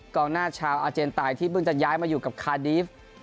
กองหน้าชาวอาเจนตายที่เพิ่งจะย้ายมาอยู่กับคาดีฟ